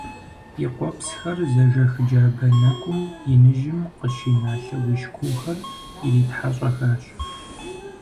И къуэпсхэр зэжэх джабэ нэкӀум иныжьым къыщина лъэужь куухэр иритхьэщӀэхащ.